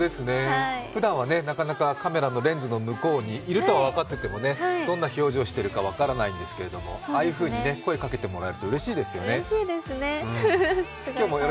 ふだんはカメラのレンズの向こうにいるとは分かっていてもどんな表情しているか分からないんですけど、ああいうふうに声かけてもらえるとうれしいですよね。